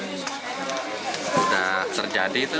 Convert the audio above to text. begitu sudah terjadi itu